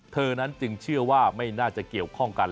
เธอนั้นจึงเชื่อว่าไม่น่าจะเกี่ยวข้องกัน